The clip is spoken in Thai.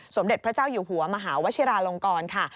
สมเด็จพระเจ้าอยู่หัวมหาวชิราลงกรค่ะ